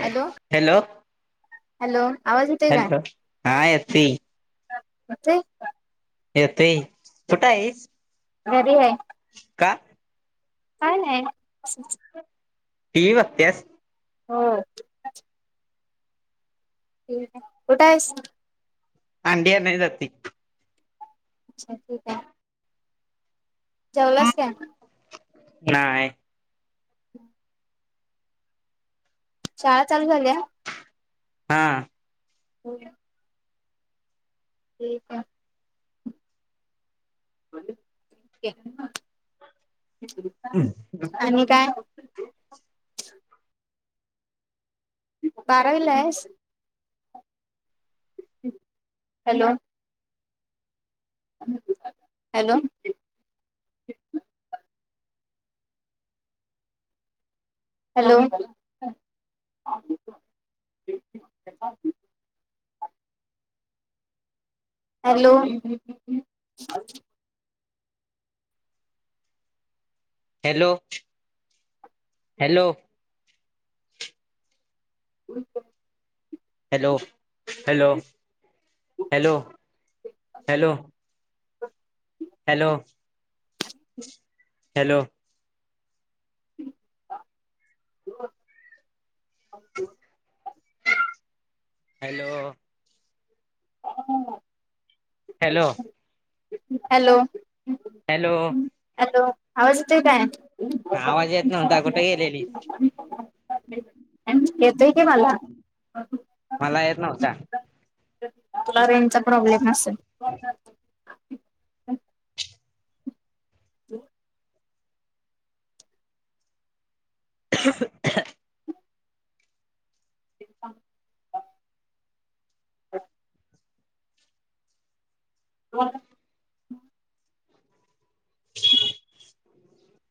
Hello hello hello आवाज येतोय hello हा यती त [unintelligible] येतय कुठ हाईस. घरी हाय. का? काय नाय [inaudible] टीव्ही बघतीयास. हो कुठं हायस? अंडी आणाया जतोयं. अच्छा ठीक आहे. जेवलाच का? नाहीय. हम. शाळा चालू झाल्या? हां. हो. ठीक आहे. आणि काय? बारावीला आहेसं hello! Hello! Hello! Hello! Hello! Hello! उच. Hello! Hello! Hello! Hello! [inaudible] Hello! हो. हॅलो! हॅलो! बोल की. Hello! Hello! Hello! Hello! Hello! आवाज येतो काय? आवाज येत नव्हता कुठे गेलेली? येतं कि मला. मला येत नव्हता. तुला रेंजचा प्रॉब्लेम असेेल. ह. त. ठी [inaudible] ह हो [inaudible] [unintelligible]